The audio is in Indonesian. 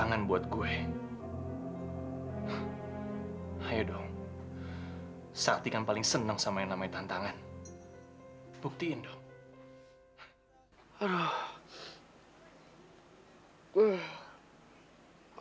sampai jumpa di video selanjutnya